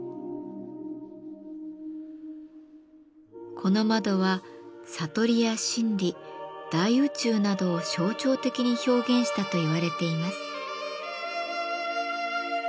この窓は悟りや真理大宇宙などを象徴的に表現したと言われています。